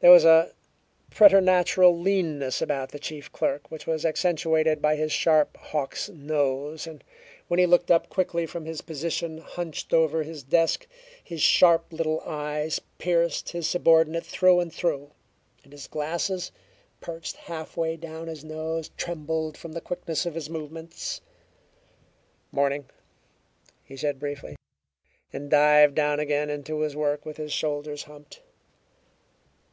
There was a preternatural leanness about the chief clerk which was accentuated by his sharp hawk's nose, and when he looked up quickly from his position hunched over his desk, his sharp little eyes pierced his subordinate through and through, and his glasses, perched halfway down his nose, trembled from the quickness of his movements. "Morning!" he said briefly, and dived down again into his work, with his shoulders humped.